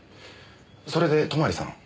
それで泊さん。